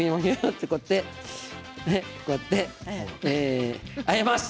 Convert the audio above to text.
こうやってね、あえます。